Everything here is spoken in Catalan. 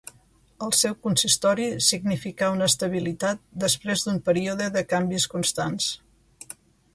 El seu consistori significà una estabilitat després d’un període de canvis constants.